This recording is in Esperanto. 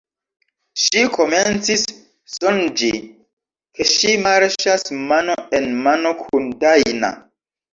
Ŝi komencis sonĝi ke ŝi marŝas mano en mano kun Dajna.